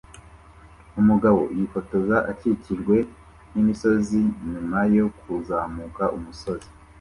Umugabo yifotoza akikijwe n’imisozi nyuma yo kuzamuka umusozi